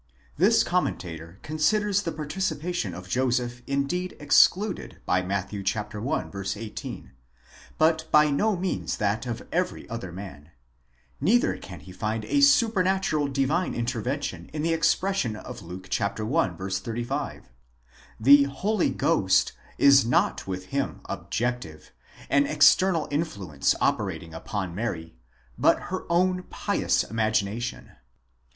This commentator considers the participation of Joseph indeed excluded by Matt. 1. 18, but by no means that of every other man; neither can he find a supernatural divine intervention in the expression of Luke i. 35. The Holy Ghost—xveipa déyov—is not with him objective, an external influence operating upon Mary, but her own pious imagination.